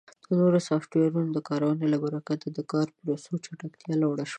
د نوو سافټویرونو د کارونې له برکت د کاري پروسو چټکتیا لوړه شوې ده.